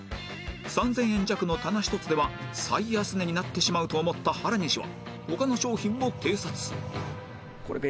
３０００円弱の棚１つでは最安値になってしまうと思った原西は他の商品も偵察